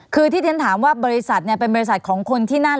คือที่ฉันถามว่าบริษัทเป็นบริษัทของคนที่นั่น